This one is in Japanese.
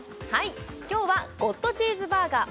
今日はＧＯＤチーズバーガー